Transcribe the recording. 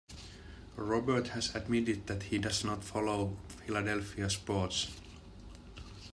Robert has admitted that he does not follow Philadelphia sports.